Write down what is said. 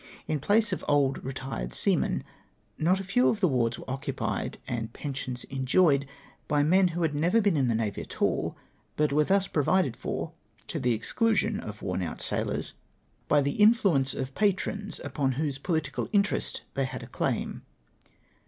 In place of old retired seamen, not a few of the wards were occupied, and pensions enjoyed, l)y men who had never been in the navy at all, but were tlius provided for, to the exclusion of worn out sailors, by the in fluence of patrons upon whose political interest they had a claim.